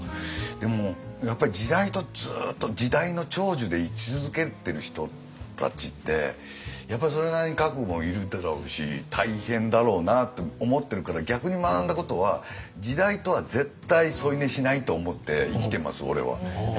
でもやっぱり時代とずっと時代の寵児で居続けてる人たちってやっぱそれなりに覚悟いるだろうし大変だろうなって思ってるから逆に学んだことは時代とは絶対添い寝しないと思って生きてます俺は。